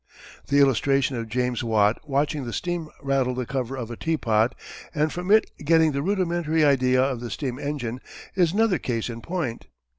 The illustration of James Watt watching the steam rattle the cover of a teapot and from it getting the rudimentary idea of the steam engine is another case in point.